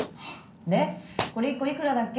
でこれ１個いくらだっけ？